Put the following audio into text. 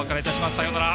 さようなら。